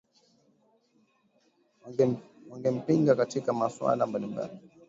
wangempinga katika masuala mbalimbali